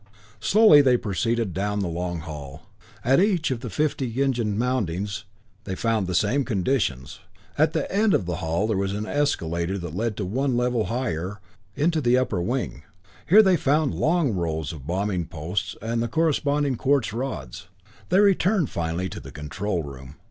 Slowly they proceeded down the long hall. At each of the fifty engine mountings they found the same conditions. At the end of the hall there was an escalator that led one level higher, into the upper wing. Here they found long rows of the bombing posts and the corresponding quartz rods. They returned finally to the control room.